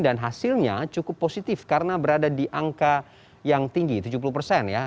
dan hasilnya cukup positif karena berada di angka yang tinggi tujuh puluh persen ya